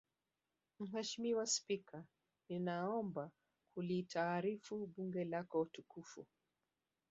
Mheshimiwa Spika ninaomba kulitaarifu Bunge lako tukufu